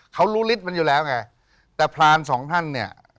เขารู้ฤทธิ์มันอยู่แล้วไงแต่พรานสองท่านเนี่ย